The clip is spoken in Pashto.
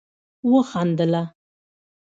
وخندله